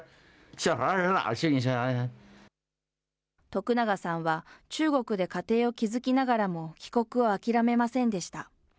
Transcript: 徳永さんは中国で家庭を築きながらも、帰国をあきらめませんでした。